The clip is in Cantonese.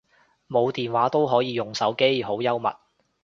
冇電話都可以用手機，好幽默